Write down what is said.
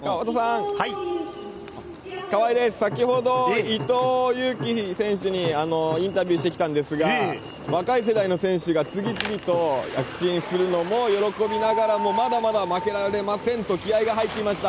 先ほど、伊藤有希選手にインタビューしたんですが若い世代の選手が次々と出場するのを躍進するのを喜びながらも、まだまだ負けられませんと気合いが入っていました。